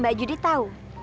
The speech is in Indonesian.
mbak judit tau